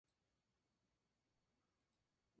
Hoy día está ya retirado.